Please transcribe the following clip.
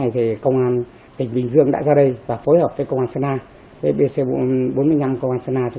tôi muốn tiêu thú